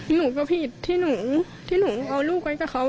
หนูก็ผิดที่หนูเอาลูกไว้กับเขา